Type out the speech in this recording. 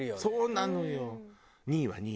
そうなのよ。